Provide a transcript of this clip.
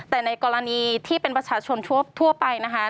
แต่ในกรณีที่เป็นประชาชนทั่วไปนะคะ